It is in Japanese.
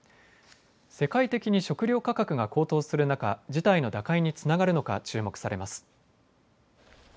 世界的に食料価格が高騰する中、事態の打開につながるのか注目されます。